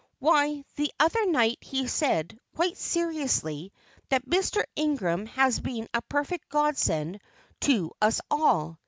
Why, the other night he said, quite seriously, that Mr. Ingram had been a perfect godsend to us all.